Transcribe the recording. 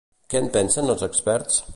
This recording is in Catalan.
Què en pensen els experts?